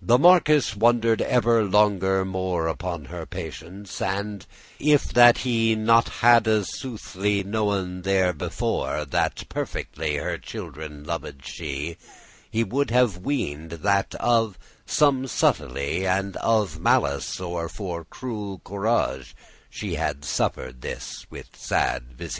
The marquis wonder'd ever longer more Upon her patience; and, if that he Not hadde soothly knowen therebefore That perfectly her children loved she, He would have ween'd* that of some subtilty, *thought And of malice, or for cruel corage,* *disposition She hadde suffer'd this with sad* visage.